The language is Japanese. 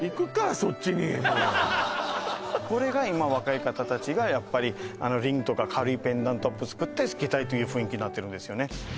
そっちにもうこれが今若い方たちがやっぱりリングとか軽いペンダント作ってつけたいという雰囲気になってるんですよ